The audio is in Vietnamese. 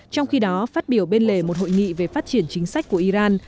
trong khi đó phát biểu bên lề một hội nghị về phát triển chính sách của iran